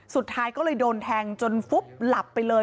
สุดท้ายก็เลยโดนแทงจนฟุบหลับไปเลย